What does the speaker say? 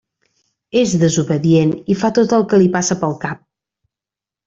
És desobedient i fa tot el que li passa pel cap.